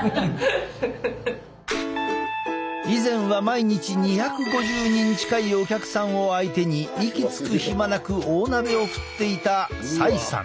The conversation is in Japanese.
以前は毎日２５０人近いお客さんを相手に息つく暇なく大鍋を振っていた斉さん。